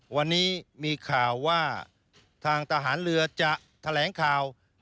วันนี้มีข่าวว่าทางทหารเรือจะแถลงข่าว